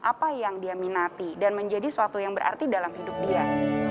apa yang dia minati dan menjadi suatu yang berarti dalam hidup dia